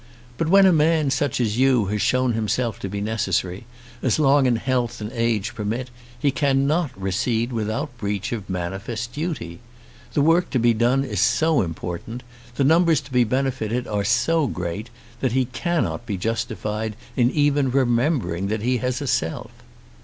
But when a man such as you has shown himself to be necessary, as long as health and age permit he cannot recede without breach of manifest duty. The work to be done is so important, the numbers to be benefited are so great, that he cannot be justified in even remembering that he has a self.